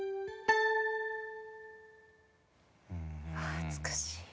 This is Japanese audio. ああ美しい。